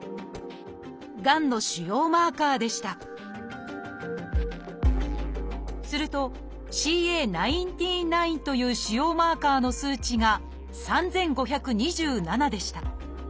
がんの腫瘍マーカーでしたすると「ＣＡ１９−９」という腫瘍マーカーの数値が３，５２７でした。